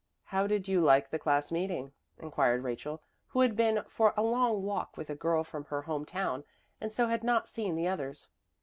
"How did you like the class meeting?" inquired Rachel, who had been for a long walk with a girl from her home town, and so had not seen the others.